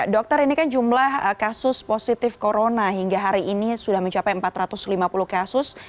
dokter ini kan jumlah kasus positif corona hingga hari ini sudah mencapai empat ratus lima puluh kasus